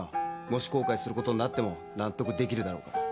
もし後悔することになっても納得できるだろうから。